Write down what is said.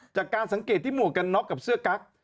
จากการสังเกตที่หมวกกันน็อกกับเสื้อกั๊ก